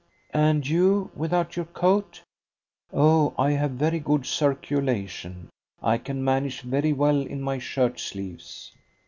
"And you without your coat!" "Oh, I have a very good circulation. I can manage very well in my shirt sleeves."